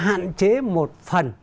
hạn chế một phần